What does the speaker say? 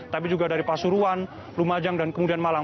tapi juga dari pasuruan lumajang dan kemudian malang